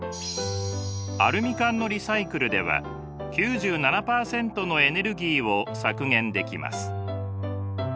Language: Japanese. アルミ缶のリサイクルでは９７％のエネルギーを削減できます。